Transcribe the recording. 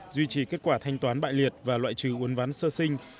duy trì kết quả thanh toán bại liệt và loại trừ uốn ván sơ sinh